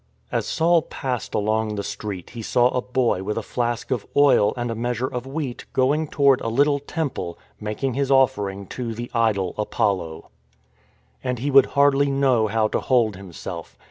As Saul passed along the street he saw a boy with a flask of oil and a measure of wheat going toward a little temple ; making his offering to the idol Apollo. 106 IN TRAINING And he would hardly know how to hold himself.